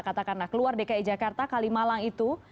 katakanlah keluar dki jakarta kalimalang itu